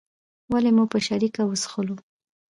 ولې مو په شریکه وڅښلو.